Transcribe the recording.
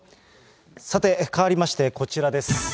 さて、かわりまして、こちらです。